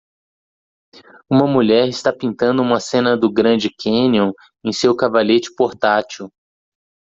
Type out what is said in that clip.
Uma mulher está pintando uma cena do Grand Canyon em seu cavalete portátil.